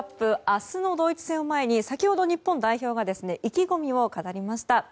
明日のドイツ戦を前に先ほど、日本代表が意気込みを語りました。